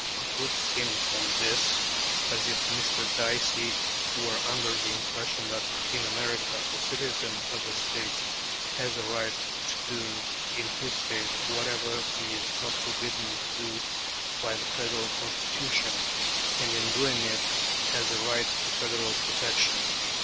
It would seem from this as if Mr. Dicey were under the impression that in America the citizen of a State has a right to do in his State whatever he is not forbidden to do by the Federal Constitution, and in doing it has a right to federal protection.